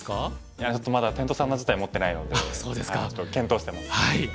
いやちょっとまだテントサウナ自体持ってないのでちょっと検討してます。